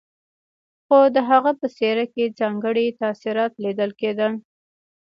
خو د هغه په څېره کې ځانګړي تاثرات ليدل کېدل.